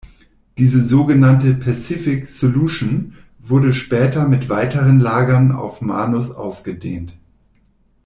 Diese so genannte „Pacific Solution“ wurde später mit weiteren Lagern auf Manus ausgedehnt.